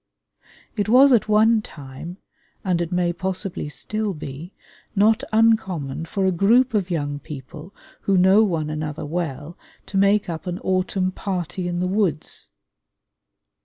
It was at one time, and it may possibly still be, not uncommon for a group of young people who know one another well to make up an autumn "party in the woods."